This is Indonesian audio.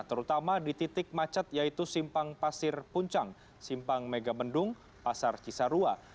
terutama di titik macet yaitu simpang pasir puncang simpang mega bendung pasar cisarua